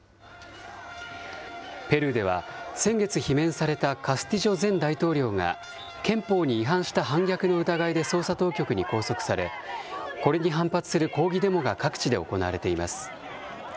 ペルーでは、先月罷免されたカスティジョ前大統領が、憲法に違反した反逆の疑いで捜査当局に拘束され、これに反発する抗議デモが各地で行われています。